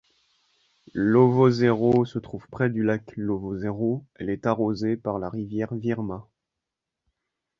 Lovozero se trouve près du lac Lovozero, elle est arrosée par la rivière Virma.